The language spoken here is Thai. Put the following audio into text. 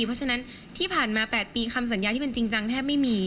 เพราะฉะนั้นที่ผ่านมา๘ปีคำสัญญาที่เป็นจริงจังแทบไม่มี